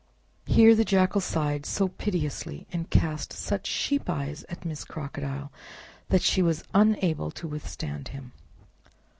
Here the Jackal sighed so piteously, and cast such sheep's eyes at Miss Crocodile, that she was unable to withstand him.